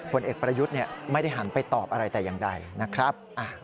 ผลเอกประยุทธ์ไม่ได้หันไปตอบอะไรแต่อย่างใดนะครับ